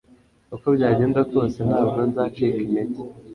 uko byagenda kose ntabwo nzacika intege